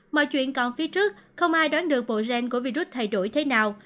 mọi chuyện còn phía trước không ai đoán được bộ gen của virus thay đổi thế nào